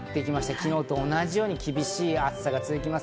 昨日と同じように厳しい暑さが続きます。